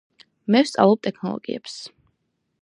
მე ვსწავლობ ტექნოლოგიებს